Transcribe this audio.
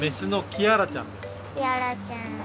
キアラちゃん。